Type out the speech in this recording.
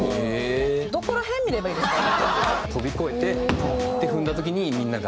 どこら辺見ればいいですか？